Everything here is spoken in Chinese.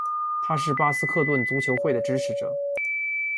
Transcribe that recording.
他是巴克斯顿足球会的支持者。